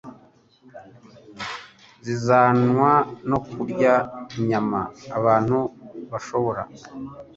zizanwa no kurya inyama. Abantu bashobora